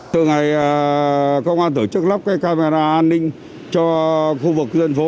từ ngày công an tổ chức lắp cái camera an ninh cho khu vực dân phố